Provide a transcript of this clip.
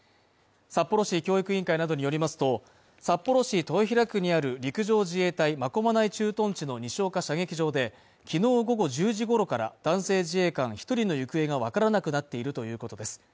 札幌市教育委員会などによりますと、札幌市豊平区にある陸上自衛隊真駒内駐屯地の西岡射撃場できのう午後１０時ごろから男性自衛官１人の行方がわからなくなっているということです。